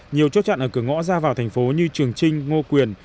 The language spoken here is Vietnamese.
nhiều chốt chặn ở cửa ngõ ra vào thành phố như trường trinh ngô quyền